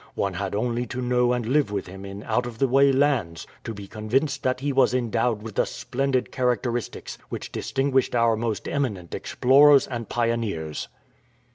One had only to know and live with him in out of the way lands to be convinced that he was endowed with the splendid characteristics which distinguished our most eminent explorers and pioneers."